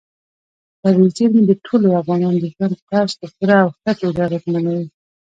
طبیعي زیرمې د ټولو افغانانو د ژوند طرز په پوره او ښه توګه اغېزمنوي.